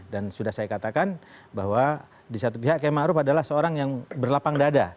dan sudah saya katakan bahwa di satu pihak k ma'ruf adalah seorang yang berlapang dada